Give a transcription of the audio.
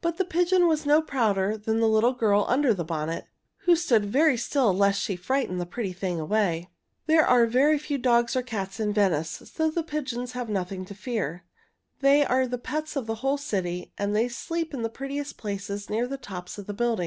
But the pigeon was no prouder than the little girl under the bonnet, who stood very still lest she frighten the pretty thing away. There are very few dogs or cats in Venice, so the pigeons have nothing to fear. They are the pets of the whole city, and they sleep in the prettiest places near the tops of the buildings.